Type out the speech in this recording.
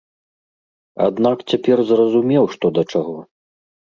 Аднак цяпер зразумеў што да чаго.